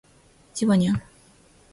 ジバニャン